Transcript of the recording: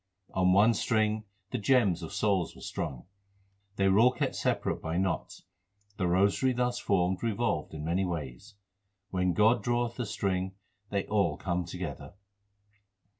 On one string 4 the gems of souls were strung ; They were all kept separate by knots : 5 The rosary thus formed revolved in many ways. 6 When God draweth the string, they all come together.